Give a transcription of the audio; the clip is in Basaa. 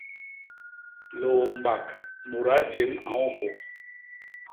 Liômbak mudaa jem a ñômbôp.